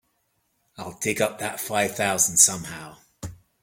I'll dig up that five thousand somehow.